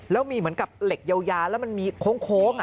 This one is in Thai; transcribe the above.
แล้วมีเหมือนกับเหล็กยาวแล้วมันมีโค้ง